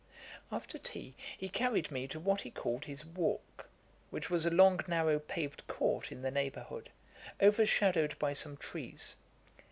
[Page 464: Convocation. A.D. 1763.] After tea he carried me to what he called his walk, which was a long narrow paved court in the neighbourhood, overshadowed by some trees.